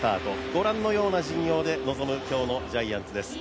ご覧のような陣容で臨む、今日のジャイアンツです。